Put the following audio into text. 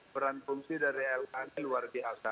peran fungsi dari lkm luar biasa